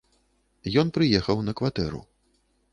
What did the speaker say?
Ён прыехаў на кватэру.